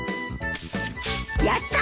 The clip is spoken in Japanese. やった！